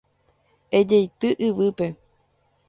Ejeity yvýpe.